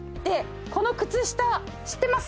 この靴下知ってます？